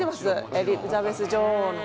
エリザベス女王の。